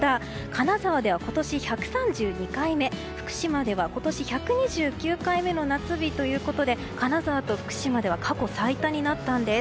金沢では今年１３２回目福島では今年１２９回目の夏日ということで金沢と福島では過去最多になったんです。